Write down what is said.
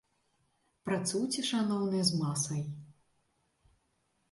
Працуйце, шаноўныя, з масай!